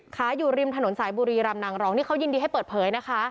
อยู่ริมถนนสายบุรีรำนางรองนี่เขายินดีให้เปิดเผยนะคะ